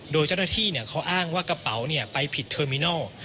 โดยเจ้าหน้าที่เขาอ้างว่ากระเป๋าไปผิดเทอร์มินัล